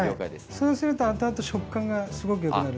そうするとあとあと食感がすごく良くなる。